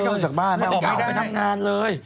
ไม่กล้าออกจากบ้านไม่กล้าออกไปทำงานเลย